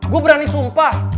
gue berani sumpah